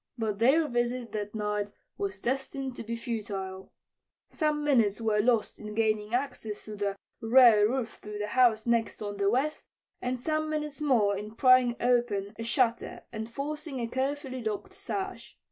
But their visit that night was destined to be futile. Some minutes were lost in gaining access to the rear roof through the house next on the west, and some minutes more in prying open a shutter and forcing a carefully locked sash.